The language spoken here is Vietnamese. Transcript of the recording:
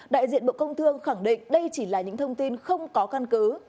đại diện bộ công thương khẳng định đây chỉ là những thông tin không có căn cứ